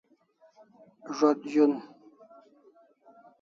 Zo't zun